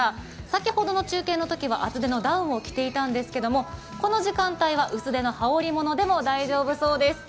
先ほどの中継のときは厚手のダウンを着ていたんですけれどもこの時間帯は薄手の羽織り物でも大丈夫そうです。